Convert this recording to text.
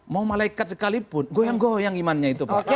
mau malaikat sekalipun goyang goyang imannya itu pak